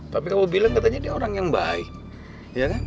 tapi kamu bilang katanya dia orang yang baik